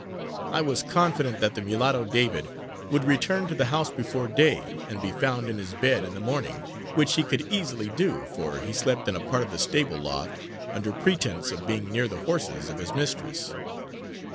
I was confident that the mulatto, David, would return to the house before day, and be found in his bed in the morning; which he could easily do, for he slept in a part of the stable loft; under pretence of being near the horses of his mistress.